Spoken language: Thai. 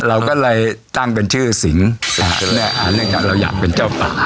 เราก็เลยตั้งเป็นชื่อสิงเนื่องจากเราอยากเป็นเจ้าป่า